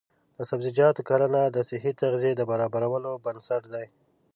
د سبزیجاتو کرنه د صحي تغذیې د برابرولو بنسټ دی.